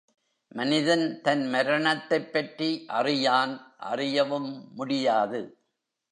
மனிதன் தன் மரணத்தைப் பற்றி அறியான் அறியவும் முடியாது.